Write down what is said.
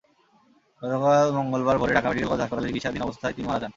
গতকাল মঙ্গলবার ভোরে ঢাকা মেডিকেল কলেজ হাসপাতালে চিকিৎসাধীন অবস্থায় তিনি মারা যান।